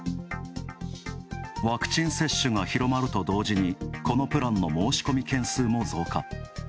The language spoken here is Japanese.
ワクチン接種が広まると同時にこのプランの申し込み件数も増加。